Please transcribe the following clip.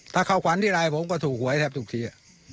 ถ้าเข้าขวัญที่ไลน์ผมก็ถูกหวยแทบทุกที